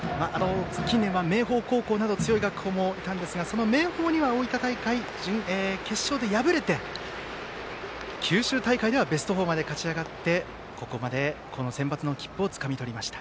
近年は明豊高校など強い学校もいたんですがその明豊には大分大会決勝で敗れて九州大会ではベスト４まで勝ち上がってこのセンバツの切符をつかみとりました。